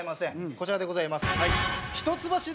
こちらでございます。